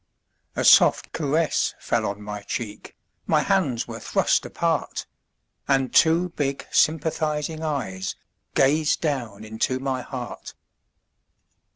A soft caress fell on my cheek, My hands were thrust apart. And two big sympathizing eyes Gazed down into my heart.